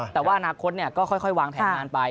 แต่ว่าอนาคตก็ค่อยวางแผนงานไป